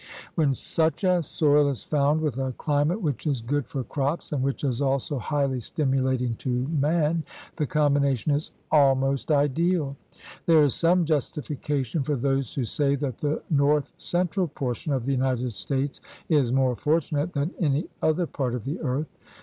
When such a soil is found with a climate which is good for crops and which is also highly stimulating to man, the combination is al most ideal. There is some justification for those who say that the north central portion of the United States is more fortunate than any other part of the earth.